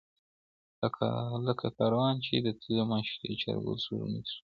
لکه کاروان کې چې د تللې معشوقې چارګل سپوږمۍ ته ښکاري